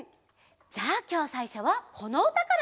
じゃあきょうさいしょはこのうたから！